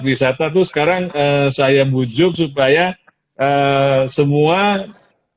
wisata itu sekarang saya bujuk supaya semua tempat yang terbuka itu harus dihubungkan dengan kemampuan yang ada di dalam ruangan